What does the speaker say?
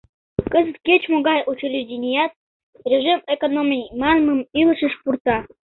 Кызыт кеч-могай учрежденият «режим экономий» манмым илышыш пурта.